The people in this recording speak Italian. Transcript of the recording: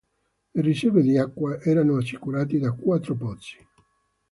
Le riserve d'acqua erano assicurate da quattro pozzi.